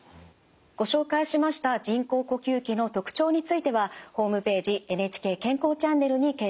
ご紹介しました人工呼吸器の特徴についてはホームページ「ＮＨＫ健康チャンネル」に掲載されています。